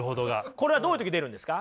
これはどういう時に出るんですか？